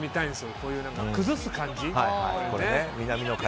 こういう崩す感じ。